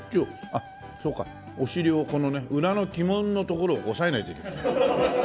あっそうかお尻をこのね裏の鬼門のところを押さえないといけない。